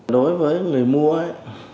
đối với người mua ấy